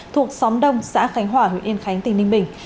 thuộc xóm đông xã khánh hòa huyện yên khánh tỉnh ninh bình